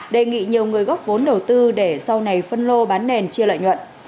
đề nghị nhiều người góp vốn đầu tư để sau này phân lô bán nền chia lợi nhuận